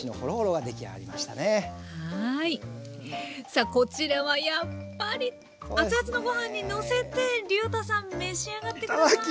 さあこちらはやっぱり熱々のご飯にのせてりゅうたさん召し上がって下さい。